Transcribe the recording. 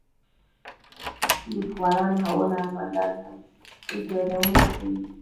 لیکوالان او هنرمندان هم ایجادونه کوي.